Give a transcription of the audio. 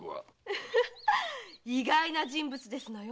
ウフフッ意外な人物ですのよ。